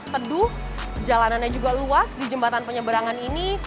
teduh jalanannya juga luas di jembatan penyeberangan ini